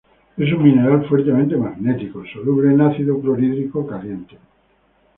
Es un mineral fuertemente magnetismo, soluble en ácido clorhídrico caliente.